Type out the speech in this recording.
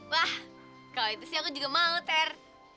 wah kalau itu sih aku juga mau ter